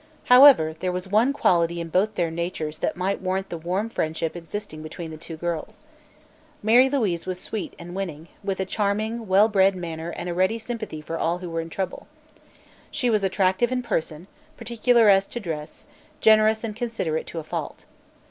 However, there was one quality in both their natures that might warrant the warm friendship existing between the two girls. Mary Louise was sweet and winning, with a charming, well bred manner and a ready sympathy for all who were in trouble. She was attractive in person, particular as to dress, generous and considerate to a fault.